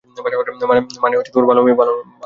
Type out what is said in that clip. মানে ভালো মেয়ে।